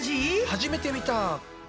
初めて見た！